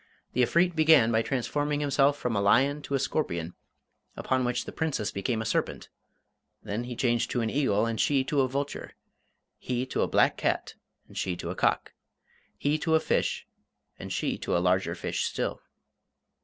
The Efreet began by transforming himself from a lion to a scorpion, upon which the Princess became a serpent; then he changed to an eagle, and she to a vulture; he to a black cat, and she to a cock; he to a fish, and she to a larger fish still.